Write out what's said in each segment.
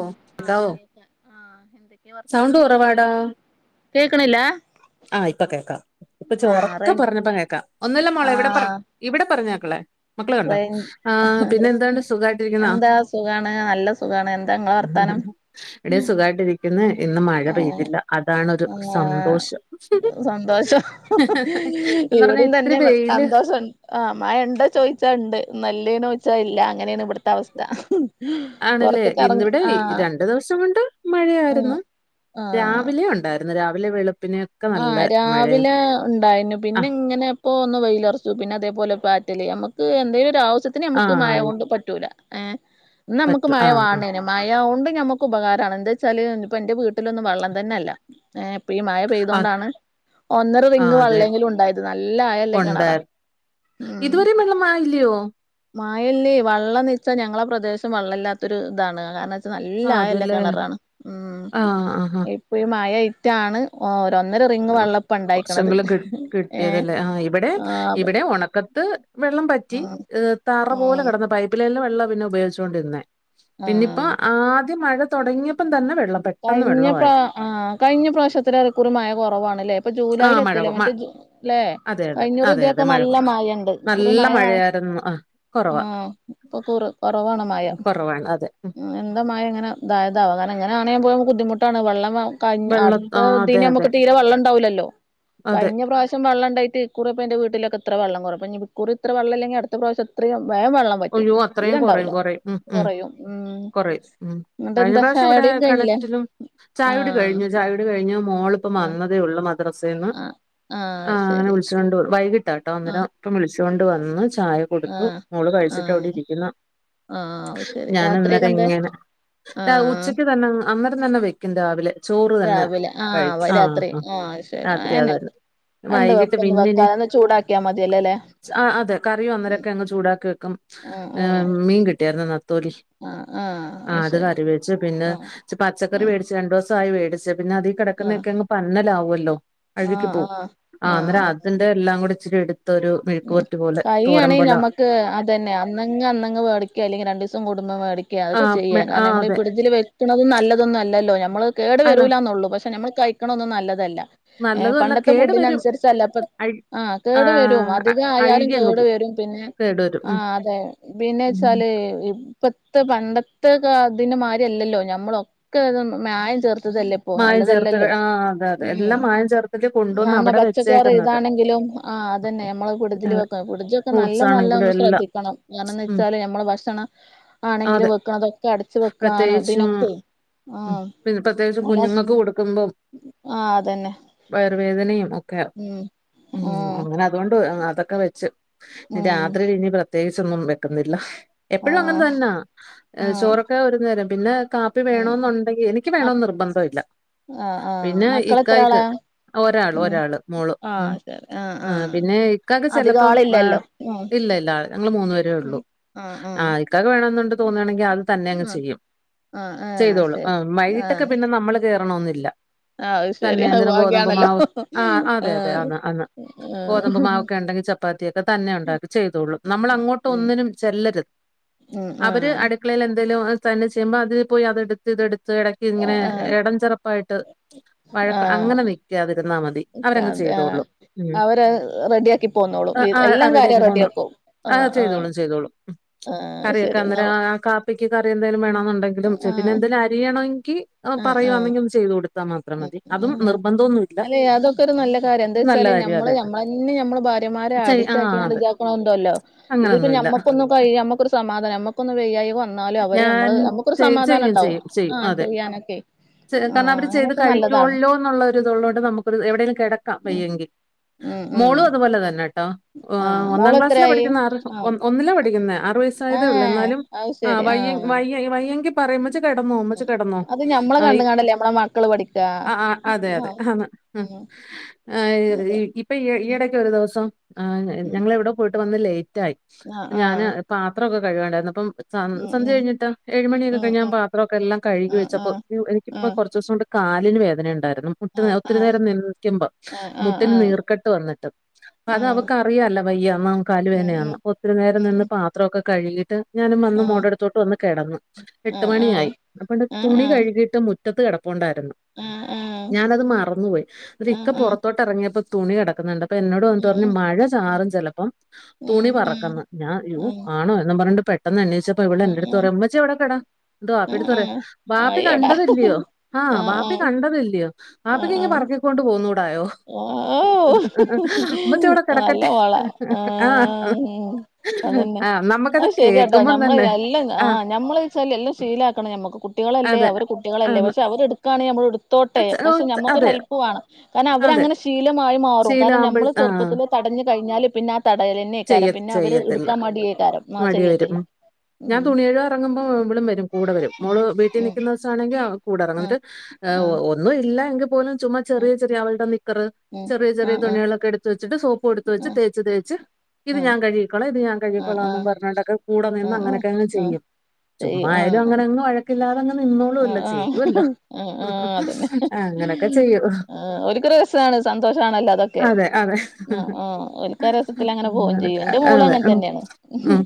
ഓ ണ്ടാവും വർത്തം കേക്കണില്ല ആഹ് ഇപ്പൊ കേക്കാം ഇപ്പൊ ആഹ് റേ ചോറൊക്കെ പറഞ്ഞപ്പ കേക്കാം ഒന്നല്ല മോളെ ഇവടെ പറഞ്ഞു ആഹ് ഇവിടെ പറഞ്ഞേക്കളെ മക്കളെ കണ്ടോ റേഞ്ച് ആ പിന്നെ എന്തണ്ട് സുഖായിട്ടിരിക്കുന്നാ എന്താ സുഖാണ് നല്ല സുഖാണ് എന്താ ഇങ്ങളെ വർത്താനം ഇവിടെ സുഖമായിട്ടിരിക്ന്ന് ഇന്ന് മഴ ആഹ് പെയ്തില്ല അതാണരു ആഹ് സന്തോഷം സന്തോഷം എന്ന് പറഞ്ഞാ ഇവിടയും ഇത്തിരി തന്നെ വെയില് സന്തോഷം ആഹ് മഴണ്ടേചോദിച്ചാ ണ്ട് നല്ലേന്ന് ചോച്ചാ ഇല്ല അങ്ങനെയാണ് ഇവിടുത്തെ അവസ്ഥ പൊർത്ത്ക്ക് എറങ്ങ് ആഹ് രണ്ട ദിവസം കൊണ്ട് മഴയായിരുന്നു ആഹ് ആഹ് രാവിലെ ഒണ്ടായിരുന്നു രാവിലെ വെളുപ്പിന് ആഹ് രാവിലെ ഉണ്ടായിനു പിന്നെ ആഹ് ഇങ്ങനെ എപ്പോഒന്ന് വെയിലറച്ചു പിന്നെ അതേപോലെ പാറ്റലി നമുക്ക് എന്തേലും ഒരു ആവശ്യത്തി നമുക്ക് മഴ ആഹ് കൊണ്ട് പറ്റൂല എ ന്നന്മക്ക് പറ്റും ആഹ് മഴവാണേനും മഴ കൊണ്ട് ഞമ്മുക്ക് ഉപകാരാണ് എന്താ വെച്ചാല് ഇപ്പ എന്റെ വീട്ടിലൊന്നും വെള്ളം തന്നെല്ല ഇപ്പഈ മഴ പെയ് ആഹ് തൊണ്ടാണ് ഒന്നര റിങ്ങ് ആഹ് അതെ വള്ളെങ്കിലും ണ്ടായത് നല്ല ആയല്ല കെണറാ ഉം ഇതുവരെ വെള്ളം ആയില്ലോ മായല്ലേ വള്ളംനിച്ച ഞങ്ങളെ പ്രദേശം വെള്ളല്ലാത്തൊരു ഇതാണ് കാരണം ആഹ് നല്ലായല്ല അതല്ലേ കെണറാണ് ഉമ് ആഹ് ആഹാ ഇപ്പൊ ഇഇമയെ മറ്റാണ് ഒ ഒന്നര റിങ് ഒരു വള്ളപ്പം ഉണ്ടായിക്കണത് കൊറച്ചെങ്കിലും കി ഏ ആഹ് ക്കത്ത് വെള്ളം പറ്റി ആഹ് തറ പോലെ ആഹ് കടന്ന പൈപ്പ് ലൈനില് വെള്ളം പിന്നെ ഉപയോഗിച്ചുകൊണ്ടിരുന്നേ പിന്നെപ്പോ ആഹ് ആദ്യം മഴ തുടങ്ങിയപ്പം തന്നെ വെള്ളം പെട്ടെന്ന് കഴിഞ്ഞ പ്ര വെള്ളവായി ആഹ് കഴിഞ്ഞ പ്രാവശ്യത്തിന് അറെഇക്കൂറി മഴ കൊറവാണല്ലേ ഇപ്പൊ ജൂലൈൽ ആഹ് മഴ എത്തില കൊ മ ന്നട്ട് ല്ലേ അതെ അതെ കഴിഞ്ഞൂറി അതെ അതെ തിയൊക്കെ മഴ നല്ല കൊറ മഴണ്ട്ഇകുറ നല്ല മഴ മഴയായിരുന്നു ആഹ് കൊറവാ ആഹ് ഇപ്പൊ കുറ കൊറവാണ് മയാ കൊറവാണ് അതെ ഉം എന്തമായ ങ്ങനെ ഇതായതാക കാരണംങ്ങനാണയുമ്പോൾ നുക്ക് ബുദ്ധിമുട്ടാണ് വെള്ളം വേ കഴി വെള്ളം അടുത്ത ആഹ് അതെ ഇദ്ന് അതെ മക്ക് തീരെ വള്ളം ണ്ടാവുല്ലല്ലോ അതെ കഴിഞ്ഞ പ്രാവശ്യം വെള്ളണ്ടായിട്ട് ക്കൂറിപ്പെന്റെ വീട്ടിലെക്കെത്ര വെള്ളംകുറ ഇക്കൂറി ഇത്ര വള്ളംല്ലെങ്കിഅടുത്ത പ്രാവശ്യംത്രയും വേമ് വെള്ളം വറ്റും ഒയ്യോ തീരെ അത്രയും കൊറയും ഉണ്ടാവൂല കൊറയും ഉമ് ഉ മ് കുറയും ഉം കൊറയും ഉമ് എന്നിട്ട് കഴിഞ്ഞ എന്താ പ്രാവശ്യം ഇവിടെ പിന്നെ ചായകുടിയൊക്കെ കഴിഞ്ഞില്ലേ കെണറ്റിലും ചായുടി ആഹ് കഴിഞ്ഞു ചായ കഴിഞ്ഞ മോളിപ്പ ആഹ് വന്നതേ ഉള്ളു മദ്രേ സേന്ന് ആഹ് ആ ആഹ് അങ്ങനെ ശരി വിളിചോണ്ട് വൈകിട്ട പട്ട ഒന്നര ആഹ് ഇപ്പ വിളിചോണ്ട് വന്ന് ചായ കൊടുത്തു ആഹ് മോള് കഴിച്ച് സിറ്റവുട്ട് ആഹ് ഇരിക്കുന്ന ആഹ് ശരി രാത്രിയൊക്കെ ഞാനഅന്നേരം എന്തേ എങ്ങനെ ആഹ് ഉച്ചക്ക് തന്നെ അന്നരം തന്നെ വെക്കും രാവിലെ ചോറ് തന്നെ രാവിലെ ആഹ് കഴിക്കും വൈ ആ രാത്രി ആ ആഹ് ശരി രാത്രി അത് ആന്നേ തന്നെ കണ്ട് വൈകിട്ട് വെപ്പൊ ഒന്ന് പിന്നിനി വെക്കാൻന്ന് ചൂടാക്കിയാൽ മതിയല്ലേ ല്ലേ ആ അതെ കറി വന്നരൊക്കെ അങ്ങ് ചൂടാക്കി വെക്കും എ ആഹ് മീൻ കിട്ടിയരുന്നു നെത്തോലി ആഹ് ആഹ് ആഹ് അത് ശരി കറി വെച്ചു പിന്നെ ആഹ് പച്ചക്കറി ആഹ് മേടിച്ച് രണ്ടൂസായി മേടിച്ച് പിന്നെ അതി ആഹ് കിടക്കുന്നൊക്കെ അങ്ങ് പന്നലാവുല്ലോ അഴുകി പോവും ആഹ് അന്നേരാത്തിന്റെ എല്ലാം കൂടെ ഇച്ചിരി എടുത്ത ഇതൊരു ഉം മെഴിക്കൂവർട്ട് പോലെ തോരം കഴിയാണെങ്കിൽ പോല നമുക്ക് അതന്നെ അന്നങ് അന്നങ്ങ് വേടിക്ക ക അല്ലെങ്കി രണ്ടിസം കൂടുംമ്പം മേടിക്ക അതക്കെ ആഹ് ചെയ്യ മെ കാരണം ആഹ് നമ്മൾ ഈ അതെ പിഡജിൽവെക്കണതും നല്ലതൊന്നല്ലല്ലോ നമ്മൾ കേടു അതാ വരൂലന്നുള്ളൂ പക്ഷെ നമ്മൾ കഴിക്കണ ഒന്നും നല്ലതല്ല ഏ നല്ലതും അല്ല പണ്ടത്തെ കേടു ഫുഡിന വരും അനുസരിച്ചല്ലപ്പ അഴ് ആഹ് കേടു വരും ആഹ് അധികയാലും അഴുകി അങ്ങ് കേടു പോവും വരും പിന്നെ കേടു വരും ഉം ആഹ് അതെ പിന്നെ ഉം. വച്ചാല് ഇപ്പത്തെ പണ്ടത്തെക്കെ അതിന്മാതിരില്ലല്ലോ ഞമ്മളൊക്കെ അത് മായം ചേർത്തതല്ലേ മായം ചേർത്ത് പ്പോഅല്ലതല്ലല്ലോ ആഹ് അതെ അതെ ഉമ് എല്ലാം മായം ചേർത്തിട്ട് കൊണ്ടുവന്ന് കാരണം അവിടെ പച്ചക്കറി വെച്ചേക്കുന്നത് ഇതാണെങ്കിലും ആഹ് അതന്നെ നമ്മള് പുടിജിൽ അതെ വെക്ക പെടുജൊക്കെ നല്ല ഫ്രൂട്ട്സ് നല്ല ആണെങ്കിലും ഒന്ന് എല്ലാം ശ്രദ്ധിക്കണം കാരണംന്ന് ഉം വെച്ചാല് നമ്മള് ഭക്ഷണ ആണെങ്കിലും അതെ വെക്കണം അതൊക്കെ അടച്ച് വെക്കാനോ പ്രത്യേകിച്ചും ഇതിനൊക്കെ ആഹ് ഉം പത് നല്ല കുഞ്ഞുങ്ങക്ക് കൊടുക്കുമ്പം ആഹ് അതന്നെ വയറ് വേദനയും ഒക്കെ ഉം ഉം ആഹ് അങ്ങനെ ത് അതുകൊണ്ട് അതൊക്കെ വെച്ച് ഉം രാത്രി ഇനി പ്രത്യേകിച്ചൊന്നും വെക്കുന്നില്ല എപ്പഴും അങ്ങനെ ആഹ് തന്നാ ആഹ് ചോറൊക്കെ ഒരു നേരം പിന്നെ കാ പ്പി ഉം വേണന്നുണ്ടെങ്കി എനിക്ക് മ വേണന്ന് നിർബന്ധ ഇല്ല ആഹ് ആഹ് പിന്നെ മക്കളെത്ര ഇക്കായ്ക്ക് ആളാ ഒരാള് ഉം ഒരാള് മോള് ഉം ആഹ് ശരി ആഹ് ആ ആഹ് പിന്നെ ഇക്കാക്ക് അധികം ചെലപ്പം ആ ആളില്ലല്ലോ ഉം ഇല്ല ഇല്ല ഞങ്ങള് മൂന്നു പേരെ ഉം ഒള്ളൂ ആഹ് ആ ഇക്കാക്ക് വേണോന്ന്ണ്ട് തോന്നാണെങ്കി അത് തന്നെ ആഹ് ചെയ്യും ആഹ് ആഹ് ഏഹ് അത് ശരി ചെയ്തോളുംഅ വൈകീട്ടൊക്കെ ആഹ് നമ്മള് കേയറണോന്നില്ല ആഹ് അത് ശരി തന്നെ അത് എന്ധെലും ഗോതമ്പ് ഭാഗ്യാണല്ലോ മാവ് ആ അതെ അതെ അ ആഹ് അന്ന് ഗോതമ്പ് ആഹ് മാവൊക്കെണ്ടെങ്കി ച പ്പാത്യൊക്കെ തന്നെ ഇണ്ടാക്കി ചെയ്തോളും നമ്മൾ അങ്ങോട്ട് ഉം ഒന്നിനും ചെല്ലരുത് ഉം ആ അടുക്കളേല് എന്തേലും തന്നെ ചെയ്യുമ്പോ അതി പോയി അത് എടുത്ത് ഇതടുത്ത് എടക്ക്ങ്ങനെ ആഹ് കടം ചെറുപ്പായിട്ട് വഴക്ക് അങ്ങനെ ആഹ് നിക്കാതിരുന്നാ മതി അവരങ്ങ് അതെ ആ ചെയ്തോളും ഉം അവര് ത് റെഡി ആക്കി പോന്നോളും വീ ആഹ് എല്ലാം കാര്യം റെഡിയാക്കി പോന്നോളും റെഡിആക്കും ആഹ് ചെയ്തോളും ചെയ്തോളും കറിയൊക്കെ ശരി എന്നാ അന്നേരം ആ കാപ്പിക്ക് കറി എന്തേലും വേണെന്നുണ്ടെങ്കിലും ചെയ്യും പിന്നെ ആഹ് എന്തേലും അരിയണെങ്കി ആ പറയാന്നെങ്കിൽ ഒന്ന് ചെയ്തു കൊട് ഉം അ അല്ലെ അതൊക്കെ ഒരു നല്ല കാര്യാ ഇത് നല്ല എന്താച്ചാല് കാര്യാ നമ്മള് അതെ നമ്മളന്നെ നമ്മള ഭാ ര്യമാരെ ചെയ് ആഹ് അടിറ്റാക്കിക്കാണ്ട് അതെ ഇതാക്ക്ണോല്ണ്ടല്ലോ ഇതിപ്പ അങ്ങനൊന്നുമില്ല ഞമ്മുക്കൊന്നും കയി നമ്മക്കൊരു സമാധാനാ ന ക്ക്ന്ന് വെയ്യായി വന്നാലും ഞാൻ അവര്മ്മള് നമുക്കൊരു ചെയ് സമാധാനണ്ടാവും ആ ചെയ്യാനൊക്കെ ച്ച് കാരണം ആഹ് അവര് ചെയ്ത് അങ്ങനൊക്കെ നല്ലതാണ് കഴിക്കോല്ലോ ന്നുള്ളൊരുത്ള്ളോണ്ട് നമുക്കൊരു എവിടേലും കെടക്കാ ഉം വയ്യെങ്കി ഉം ഉം മോളും അതുപോലെന്നെ ട്ടോ ആഹ് ഒന്നാം ക്ലാസ്സിലാ മോളെത്രായി പഠിക്കുന്നെ ആറ് ഓ ആഹ് ഒന്നിലാ പഠിക്കുന്നെ ആറ് വയസായതേള്ളൂ ഏഹ് എന്നാലും അത് ആ ശരി വയ്യ ആഹ് വയ്യ വയ്യങ്കി പറയും മ്മച്ചി കെടന്നോമ്മച്ചി കെടന്നോ നമ്മളെ കണ്ട്കാണ്ടല്ലേ നമ്മളെ മ- അ ആ അതെ അതെ ആണ് ഉം ആ അതെ ഇപ്പൊ ഉം ഈടക്കെ ഒരു ദിവസം ആ ഉം ഞങ്ങളെ എവിടെ പോയിട്ട് വന്ന് ലേറ്റായി ആഹ് ഞാന് ആഹ് പാത്രൊക്കെ കഴ്കാന്ണ്ടായിരുന്നു അപ്പം ഉം സന്ധ്യ ഉം കഴിഞ്ഞിട്ടാ ഏഴുമണിക്കെ ഉം കഴിഞ്ഞാ ഉം പാത്രംക്കെല്ലാം കഴുകി ആഹ് വെച്ചപ്പോ ആഹ് എനിക്ക്പ്പൊ ആഹ് കൊറ ച്ചുസം കൊണ്ട് കാലിന് വേദനണ്ടായിരുന്നു മുട്ട് ആഹ് ഒത്തിരി ആഹ് നേരം നിൽക്കുമ്പം ആഹ് ആഹ് മുട്ടിന് ആഹ് നീർക്കെട്ട് വന്നിട്ട് അത് ആഹ് അവക്ക്റിയാലോ വയ്യാന്ന് കല് വേനയാന്ന് ഉം ഒത്തിരി നേരം ഉം നിന്ന് ഉം പാത്രൊക്കെ കഴുകിട്ട് ഞാനും വന്ന് ഉം മോടടുത്തോട്ട് വന്ന് കെടന്നു എട്ട് ആഹ് ആഹ് മണിയായി അപ്പണ്ട് ആഹ് തുണി കഴുകീട്ട് മുറ്റ മുറ്റത്ത് കെടപ്പുണ്ടായിരുന്നു ആഹ് ആഹ് ആഹ് ഞാനത് മറന്നുപോയി ആഹ് എന്നിട്ട്ക്ക ആഹ് ആഹ് പൊറത്തോട്ട് എറങ്ങിയപ്പോ തുണി കിടക്കുന്നുണ്ട് അപ്പൊ എന്നോട് വന്നിട്ട് ഉം പറഞ്ഞു ഉം മഴ ചാറും ചെലപ്പം ഉം തുണി ഉം ഉം പറക്കന്ന് ഞാൻ യൂ ഉം ആണോ എന്നും പറഞ്ഞ്ണ്ട് പെട്ടെന്ന് എണീച്ച പ്പ ഉം ഉം ഇവളെൻ്റട്ത്ത് പറയാ ഉം ഉമ്മച്ചി ഇവടെ കെടാ ന്നിട്ട് വപ്പി എടുത്ത് പറയാ ഉം വാ പ്പി അയ്യോടാ കണ്ടതല്ലയോ ആഹ് വാപ്പി കണ്ടതല്ലയോ ആഹ് ബാപ്പിക്ക് ഇങ്ങ് ആഹ് പറക്കൊണ്ട് പോന്നൂടായോ ഓഹ് ഉമ്മച്ചവിടെ നല്ല കിടക്കട്ടെ മോളാ ആഹ് ഉം അതന്നെ ആഹ് നമ്മക്കത് അത് കേൾക്കുമ്പം തന്നെ ആഹ് ച്ചാൽ എല്ലം ശീലാക്കണം നമക്ക് കുട്ടികളല്ലേ അതെ അവർ കുട്ടികളല്ലേ ആന്ന്. പക്ഷെ അവര് എടുക്കാണേൽ നമ്മളെടു തോട്ടെ അച് ഓ പക്ഷെ നമ്മുക്കൊരു അതെ ഹെല്പ്പ് വേണം കാരണം അതെ അവരങ്ങനെ ശീലമായി മാറും കാരണം ശീലാവുമ്പഴ് നമ്മള് ആഹ് ചെറ്പ്പത്തിലെ തടഞ്ഞ് കഴിഞ്ഞാല് പിന്നെ ആ ചെയ്യ തടയന്നെക്കാരം പിന്നെ അവര് ചെയ്യത്തില്ല. ഇട്ക്കാൻ മടിയേക്കാരം ആ മടി വരും. ചെയ്യത്തില്ല ഉം. ഞാൻ ഉം തുണി കഴുകാൻ എറങ്ങുമ്പോ ഇവളും കൂടെവരും മോള് വീട്ടിൽ നിക്കുന്ന ദിവസാണെങ്കി കൂടെറങ്ങും ഉം എന്നിട്ട് ഉം ഒന്നും ഇല്ല എങ്കിൽ പോലും ചുമ്മാ ചെറിയ ചെറിയ അവളുടെ നിക്കറ് ഉം ചെറിയ ചെറിയ തുണികളൊക്കെ എടുത്തു വെച്ചിട്ട് സോപ്പ് എടുത്ത് വെച്ച് ഉം തേച്ച് തേച്ച് ഇത് ഉം ഞാൻ കഴിക്കോളാം ഇത് ഞാൻ ആ ആ കഴികിക്കോളാന്നും പറഞ്ഞിട്ടൊക്കെ കൂടെ ആ ആ നിന്ന് അങ്ങനൊക്കെങ്ങ് ആ ആ ആ ആ ആ ചെയ്യും ചെയ്യും ആ ചുമ്മായാലും അങ്ങനങ്ങ് വഴ ക്കില്ലാതെങ്ങ് ആ ആ നിന്നോളൂല്ലോ ചെയ്യുവല്ലോ ആ ആ അതന്നെ അങ്ങനൊക്കെ ചെയ്യൂ ആ ഓൽക്കൊരു രസാണ് സന്തോഷാണല്ലോ അതൊക്കെ അതെ, അതെ. ആ ആ ഓൽക്കാ രസത്തി ഉം അതെ ഉം ഉം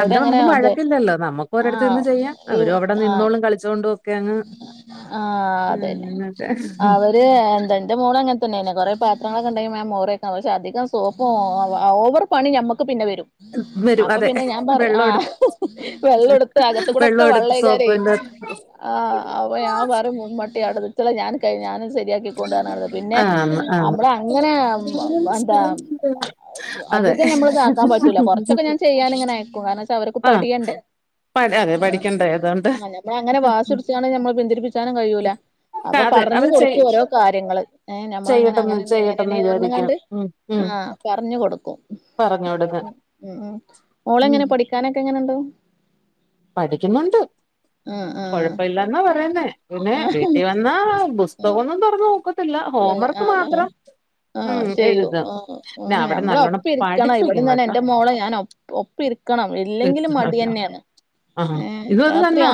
അതിന് നമുക്ക് അതെ വഴക്കില്ലല്ലോ നമ്മുക്ക് ഓരെടുത്ത് നിന്ന് ആഹ് ചെയ്യാൻ അവരും അവിടെ ആഹ് നിന്നോളും കളിച്ചോണ്ടും ഒക്കെ അങ്ങ് ആഹ് അതന്നെ അങ്ങനെയൊക്കെ അവ അത് എന്റെ എന്റെ മോളും അങ്ങനെ തന്നെ ആയിന് കൊറെ പാത്രങ്ങളൊക്കെ [unintelligible] ടൈം മോറെയൊക്കെ പക്ഷെ അധികം സോപ്പും ഓവർ പണി നമ്മക്ക് പിന്നെ വരും വരും. അപ്പൊ അതെ. പിന്നെ ഞാൻ പറഞ്ഞു വെള്ളം ആഹ് എടുത്ത് [unintelligible] വെള്ളം എടുത്ത് അകത്തു കൂടൊക്കെ വെള്ളം എടുത്ത് സോപ്പിന്റെ [unintelligible] ആഹ് അപ്പൊ ഞാൻ പറയും മുൻമട്ടി ആടെ നിക്കിളെ ആടെ കഴിഞ്ഞാൽ ഞാനും കഴിഞ്ഞാ ഞാനും ശരിയാക്കി കൊണ്ട് തന്നെ [unintelligible] പിന്നെ ആന്ന്, ആന്ന്. അമ്മളെ അങ്ങനെ ആഹ് എന്താ അതെ. അധികം നമ്മള് ഇതാക്കാൻ പറ്റൂല്ല കുറച്ചൊക്കെ ഞാൻ ചെയ്യാൻ ഇങ്ങനെ അയക്കും കാരണം വെച്ചാ അവരക്ക് പഠിയണ്ടേ അതെ അതെ പഠിക്കണ്ടേ അതോണ്ട് [unintelligible] നമ്മള് പിന്തിരിപ്പിച്ചാനും കഴിയൂല്ല അപ്പൊ അതെ പറഞ്ഞു അവര് ചെയ് കൊടുക്കും ഓരോ കാര്യങ്ങള് ഏഹ് ചെയ്യട്ടെന്ന് നമ്മളങ്ങനന്നെ ഇങ്ങനന്നെ ചെയ്യട്ടെന്ന് വിചാരിക്കും. പറഞ്ഞങ്ങാണ്ട് ഉം. ഉം. ആഹ് പറഞ്ഞു കൊടുക്കും പറഞ്ഞു കൊടുക്കും. ഉം ഉം ഉം. മോളെങ്ങനാ പഠി ക്കാനൊക്കെ എങ്ങനുണ്ട് പഠിക്കുന്നുണ്ട് ആഹ് ആഹ് കൊഴപ്പില്ലന്നാ പറയുന്നേ പിന്നെ വീട്ടിൽ വന്നാ പുസ്തകം ഒന്നും തുറന്ന് നോക്ക ഇല്ല ആഹ് ആഹ് ഉം ആഹ് ചെയ്യൂ എഴുതും ആഹ് പിന്നെ ഉം അവിടെ നല്ലോണ്ണം നമ്മളൊപ്പം ഇരിക്കണം ഇവിടെ പഠിപ്പിക്കും ഞാൻ കേട്ടോ എന്റെ മോളെ ഞാൻ ഒപ്പം ഒപ്പം ഇരിക്കണം ഇല്ലെങ്കിലും മടി എഴുത്തല്ലോ തന്നെയാണ് ആഹ് ഇതും അത് തന്നാ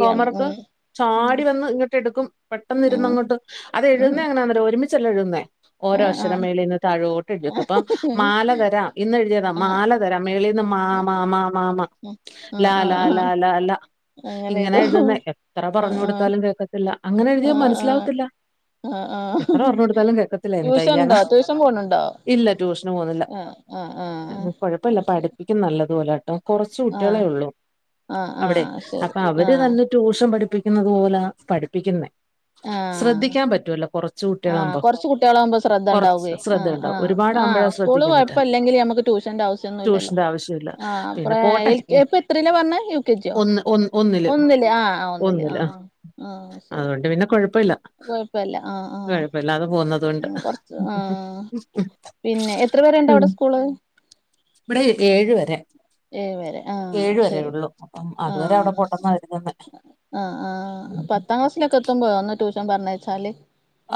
ഹോംവർക്ക് ഉം ചാടി വന്ന് ഇങ്ങോട്ട് എടുക്കും പെട്ടന്ന് ഉം ഉം ഇരുന്നങ്ങോട്ട് ഉം അതെഴുന്നതെങ്ങനാന്നറിയ്യോ ഒരുമിച്ചല്ല എഴുതുന്നേ ഓരോ ആഹ് അക്ഷരം ആഹ് മേളീന്ന് താഴോട്ട് എഴുതി വെയ്ക്കും അപ്പം മാലതരാം ഇന്ന് എഴുതിയതാ ആഹ് മാല തരാം മേളിന്ന് മാ മാ മാ മാ മാ ആഹ് ആഹ് ലാ ലാ ലാ ആഹ് ലാ ലാ അങ്ങനെ ഇങ്ങനെ ഇതോ എഴുതുന്നേ എത്ര പറഞ്ഞു ആഹ് കൊടുത്താലും കേക്കത്തില്ല ല്ല അങ്ങനെ എഴുതിയാൽ ആഹ് ആഹ് മനസ്സിലാവത്തില്ല ആഹ് ആഹ് ആഹ് എത്ര പറഞ്ഞു കൊടുത്താലും കേക്കത്തില്ല എന്താ ട്യൂഷൻ ഉണ്ടോ ചെയ്യാനാ ട്യൂഷൻ പോണുണ്ടോ ഇല്ല ട്യൂഷന് പോവുന്നില്ല ആഹ് ആഹ് ആഹ് അത് കൊഴപ്പില്ല അത് ശരി പഠിപ്പിക്കും നല്ലതു പോലെട്ടോ കുറച്ചു ആഹ് കുട്ടികളെ ഉള്ളു ആഹ് അവിടെ ആഹ് ശരി അപ്പൊ അവര് ആഹ് തന്നിട്ട് ട്യൂഷൻ പഠിപ്പിക്കുന്നതു പോലാ പഠിപ്പിക്കുന്നെ ആഹ് ശ്രദ്ധിക്കാൻ പറ്റൂവല്ലോ കുറ ആഹ് കുറച്ച് കുട്ടികളാകുമ്പോ ശ്രദ്ധ ഉണ്ടാവുകേ ശ്രദ്ധയുണ്ടാവും ആഹ് ആഹ് ഒരുപാടാകുമ്പോഴാ സ്കൂൾ ശ്രദ്ധിക്കാൻ പറ്റാ കുഴപ്പം ഇല്ലെങ്കിൽ നമുക്ക് ടൂഷന്റെ ആവശ്യം [unintelligible] ഒന്നൂല്ലല്ലോ ട്യൂഷന്റെ ആവശ്യമില്ല ആഹ് പിന്നെ ഇപ്പ്രേ പോട്ടെ [unintelligible] ഇപ്പ എത്രയിലാന്നാ പറഞ്ഞെ കെ ജിയോ ഒന്ന് ഒന്ന് ഒന്നില് ആഹ് ഒന്നില് ആഹ് ആഹ് ആഹ് ശരി അതുകൊണ്ട് പിന്നെ കൊഴപ്പില്ല കൊഴപ്പല്ല ആഹ് ആഹ് കുഴപ്പില്ലാതെ പോകുന് അതുകൊണ്ട് കൊറച്ച് ആഹ് പിന്നെ എത്ര വരെയുണ്ട് അവിടെ സ്കൂള് ഇവിടെ ഏഴ് വരെ ഏഴ് വരെ ആഹ് ഏഴ് വരെ ശരി ഉള്ളു അപ്പം അതുവരെ അവിടെ ആഹ് പോട്ടെന്നാ കരുതുന്നെ ആഹ് ആഹ് ഉം. പത്താം ക്ലാസ്സിലൊക്കെ എത്തുമ്പോഴാ ഒന്ന് ട്യൂഷൻ പറഞ്ഞയച്ചാല്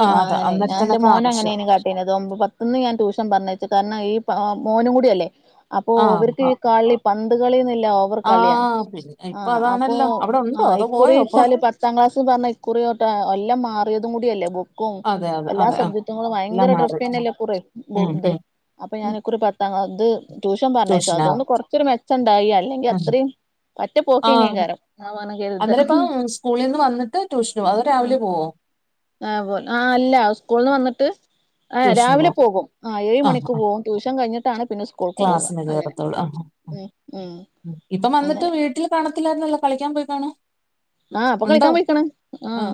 ആ ആഹ് അതാ അങ്ങനെയ് ഞാൻ എന്റെ അന്നേരത്തിനൊക്കെ മോന് ആവശ്യം അങ്ങനെയാണ് കാട്ടീണത് പത്തന്ന് ഞാൻ ട്യൂഷൻ പറഞ്ഞയച്ചു കാരണം ഈ പാ മോനും കൂടിയല്ലേ അപ്പോ ആ ഇവർക്ക് ആ, ഈ കളി പന്ത് കളിന്നില്ല ഓവർ ആ കളിയാണ് പിന്നെ ഇപ്പൊ ആഹ് അപ്പൊ അതാണല്ലോ അവിടെ ഉണ്ടോ അതോ ഇക്കുറി പോയോ ഇപ്പൊ വെച്ചാൽ പത്താം പത്താം ക്ലാസ് പറഞ്ഞാൽ ഇക്കുറി തൊട്ട് എല്ലാം മാറിയതും കൂടിയല്ലേ ബു ബുക്കും അതെ അതെ എല്ലാ അതെ ആ സബ്ജക്ടുകളും ഭയങ്കര എല്ലാം ട്രിഫ് മാറി തന്നെയല്ലേ കുറെ ഉം ഇതെ ഉം അപ്പൊ ഉം. ഞാനൊക്കൊരു പത്താം ഇത് ട്യൂഷൻ പറഞ്ഞയച്ചോ ട്യൂഷനാ അതുകൊണ്ട് കൊറച്ചൊരു മെച്ചം ഉണ്ടായി അല്ലെങ്കി ഉം. അത്രയും പറ്റ ആ പോക്കെയ്നെ കാരം അന്നേരം ഇപ്പം സ്കൂളീന്ന് വന്നിട്ട് ട്യൂഷനു പോകുവോ അതോ ഉം രാവിലെ പോവോ ആഹ് പോവല് ആ അല്ല സ്കൂളിന്ന് വന്നിട്ട് ആഹ് ട്യൂഷന് രാവിലെ പോവും. പോകും ആഹ് ഏഴ് ആ മണിക്ക് ആ പോകും ട്യൂഷൻ കഴിഞ്ഞിട്ടാണ് പിന്നെ സ്കൂൾക്ക് പോവുക ക്ലാസ്സിന് അങ്ങനെ കേറത്തുള്ളൂ. ആ ആ, ആ. ഉം ഉം ഇപ്പം വന്നിട്ട് അങ്ങനെ വീട്ടിൽ കാണത്തില്ലായിരുന്നല്ലോ കളിക്കാൻ പോയിക്കാണും ആഹ് അപ്പൊ ഉണ്ടോ കളിക്കാൻ പോയിക്കണ് ആ ആഹ്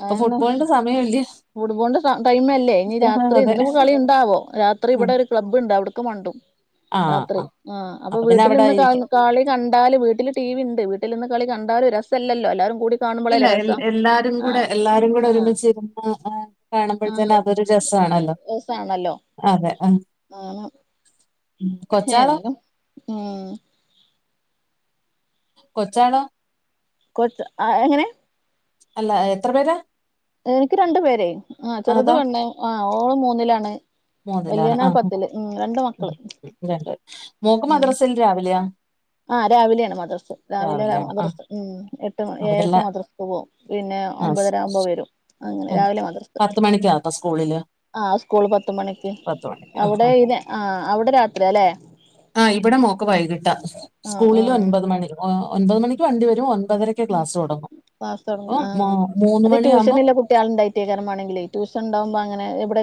ഇപ്പൊ ഫുട്ബോളിന്റെ സമയം ഇല്ലേ ഫൂട്ബോളിന്റെ ടൈംമല്ലേ അല്ലേ ഇനി രാത്രി അതെ. ഇന്ന് കളി ണ്ടാവോ രാത്രി ഉം. ഇവിടെ ഒരു ക്ലബുണ്ട് അവിട്ക്ക് മണ്ടും രാത്രി ആ അപ്പൊ പിന്നെ വീട്ടില് അവിടെ ഇന്ന് കാ ആയിരിക്കും. കാളി കണ്ടാല് വീട്ടില് ടി വി ഉണ്ട് വീട്ടിൽ നിന്ന് കളി കണ്ടാലും രസലല്ലോ എല്ലാരും കൂടി ഇല്ല കാണുമ്പോളല്ലേ രസം എല്ലാരും കൂടെ ആഹ് എല്ലാരും കൂടെ ആഹ് ഒരുമിച്ചിരുന്ന് കാണുമ്പോഴത്തന്നെ ആഹ് അതൊരു രസ ആണല്ലോ രസാണല്ലോ ആണ് ആഹ ഉം. കൊച്ചാളോ? ഏതായാലും ഉം കൊച്ചാണോ കൊച്ച് ആഹ് എങ്ങനെ അല്ല എത്ര പേരാ എനിക്ക് രണ്ടു പേര് ആഹ് ചെറുത് അതാ പെണ്ണ് ആഹ് ഓള് മൂന്നിലാണ് മൂന്നിലാണ് വല്യനാൾ ആ ഉ പത്തില് ഉം രണ്ട് മക്കള് രണ്ട് മോക്ക് ഉം മദ്രാസന്ന് രാവിലെയാ ആ രാവിലെയാണ് മദ്രസ് രാവിലെ രാവിലെയാണ് ആ മദ്രസ ഉം എട്ട് മണി അവിടെള്ള ഏരക്ക് മദ്രസക്ക് പോവും പിന്നെ ആ സ് ഒമ്പതര ആവുമ്പോ വരും അങ്ങനെ ഉം രാവിലെ മദ്രസ് പത്ത് മണിക്കാപ്പോ സ്കൂളില് ആ സ്കൂൾ പത്ത് മണിക്ക് പത്ത് മണിക്ക് ആ അവിടെ ഇതി ആ അവിടെ രാത്രിയാലെ ആഹ് ഇവിടെ മോക്ക് വൈകിട്ടാ ആ സ്കൂളില് ഒൻപത് മണി ഒൻപത് മണിക്ക് വണ്ടി വരും ഒൻപതര ഉ ക്ലാസ്സ്‌ തുടങ്ങ ആ മൂന്ന് അത് മണിയാകുമ്പം ട്യൂഷനിള്ള കുട്ടികൾ ഉണ്ടായി പ്രത്യകരമാണെങ്കിലെ ടൂഷൻ ഉണ്ടാവുമ്പോ അങ്ങനെവിടെ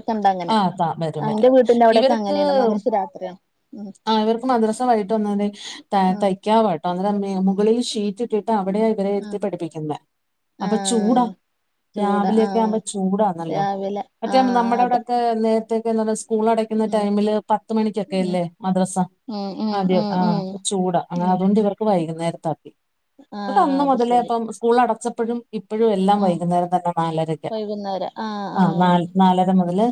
ആ താ വരും വരും ഇവർക്ക് അങ്ങനെയാണ് മദ്രസ് രാത്രിയാണ് ഉം ആ ഇവർക്ക് മദ്രസ വൈകീട്ട് വന്നാ മതി ത ആഹ് തയ്ക്കാവ കേട്ടോ അന്നേരം മുകളിൽ ഷീറ്റ് ഇട്ടിട്ട് അവിടെയ് ഉരെയിരുത്തി ആഹ് പഠിപ്പിക്കുന്നെ അപ്പൊ ആഹ് ചൂടാ ചൂട രാവിലെയൊക്കെ ആഹ് ആവുമ്പോ ചൂടാണല്ലോ രാവിലെ മറ്റേ ആഹ് നമ്മുടെ അതെ ഇവിടെക്കെ നേരത്ത്ക്കെ സ്കൂൾ അടക്കുന്ന ടൈമില് പത്ത് മണിക്കൊക്കെ ഉം അല്ലേ മദ്രസ ഉം ഉം അതെ ഉം ആ ഉം ചൂടാ ഉം അങ്ങനെ ഉം അതുകൊണ്ട് ഇവർക്ക്‌ വൈകുന്നേരത്താക്കി ആഹ് അതന്ന് അത് മുതലേ ശരി അപ്പം സ്കൂൾ അടച്ചപ്പോഴും ഇപ്പോഴും എല്ലാം ആഹ് വൈകുന്നേരം തന്നെ നാലരക്കാ വൈകുന്നേരം ആഹ് ആ ആഹ് നാലര മുതല്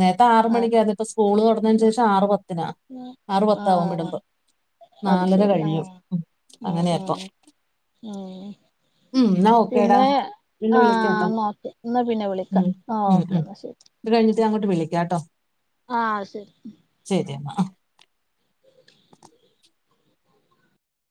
നേരത്തെ ആറ് മണിക്കാര്ന്നു ആ ഇപ്പ സ്കൂള് തുറന്നതിന് ആഹ് ശേഷം ആറുപത്തിനാ ആഹ് ആറുപത്ത ആകും ആഹ് വിടുമ്പം അത് നാലര ശരി ആഹ് കഴിയും ഉ അങ്ങനെയാപ്പൊ ഉം ഉം ന്നാ ഒക്കെടാ ആ എന്നാ ഓക്കെ എന്നാ പിന്നെ വിളിക്കാം ഉം ആ ഉം ഓക്കേ ഉം എന്നാ ശരി ഇത് കഴിഞ്ഞിട്ട് ഞാൻ അങ്ങോട്ട് വിളിക്കാട്ടോ ആഹ് ശരി ശെരിയന്നാ